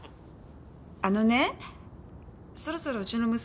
あのねそろそろうちの息子に。